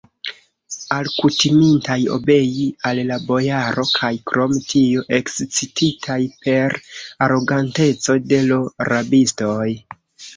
Alkutimintaj obei al la bojaro kaj krom tio ekscititaj per aroganteco de l' rabistoj